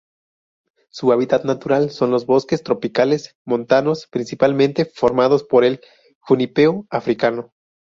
Su hábitat natural son los bosques tropicales montanos, principalmente formados por el junípero africano.